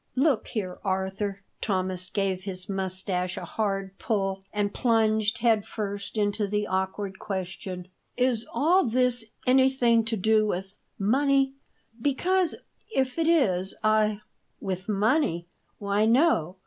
"Look here, Arthur!" Thomas gave his moustache a hard pull and plunged head first into the awkward question. "Is all this anything to do with money? Because, if it is, I " "With money! Why, no!